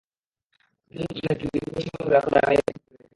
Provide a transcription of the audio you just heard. বাসের জন্য অনেককে দীর্ঘ সময় ধরে রাস্তায় দাঁড়িয়ে থাকতে দেখা গেছে।